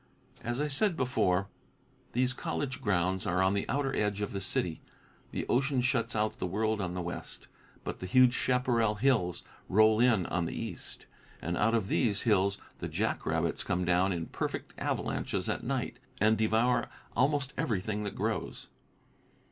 As I said before, these college grounds are on the outer edge of the city. The ocean shuts out the world on the west, but the huge chaparral hills roll in on the east, and out of these hills the jack rabbits come down in perfect avalanches at night, and devour almost everything that grows.